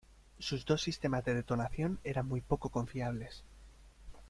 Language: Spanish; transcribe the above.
Sus dos sistemas de detonación eran muy poco confiables.